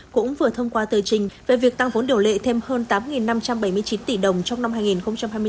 cũng vừa thông qua tờ trình về việc tăng vốn điều lệ thêm hơn tám năm trăm bảy mươi chín tỷ đồng trong năm hai nghìn hai mươi bốn